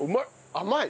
甘い！